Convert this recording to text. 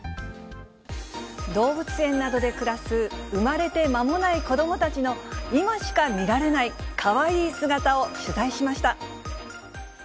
動物園などで暮らす生まれて間もない子どもたちの今しか見られないかわいい姿を取材しました。